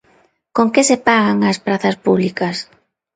¿Con que se pagan as prazas públicas?